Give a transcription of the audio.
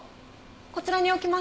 こちらに置きます。